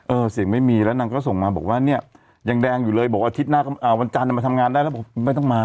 เสียงไม่มีแล้วนางก็ส่งมาบอกว่าเนี่ยยังแดงอยู่เลยบอกอาทิตย์หน้าวันจันทร์มาทำงานได้แล้วบอกไม่ต้องมา